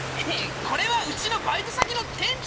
これはうちのバイト先の店長。